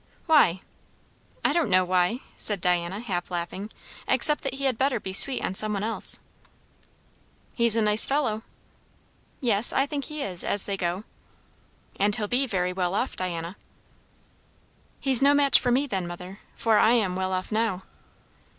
"Why?" "I don't know why," said Diana, half laughing, "except that he had better be sweet on some one else." "He's a nice fellow." "Yes, I think he is; as they go." "And he'll be very well off, Diana." "He's no match for me, then, mother; for I am well off now."